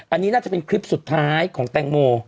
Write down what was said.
อันนี้น่าจะเป็นคลิปสุดท้ายของแตงโม